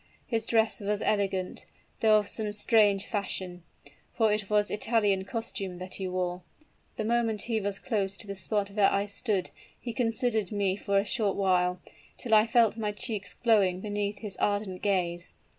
His dress was elegant, though of some strange fashion; for it was Italian costume that he wore. The moment he was close to the spot where I stood he considered me for a short while, till I felt my cheeks glowing beneath his ardent gaze.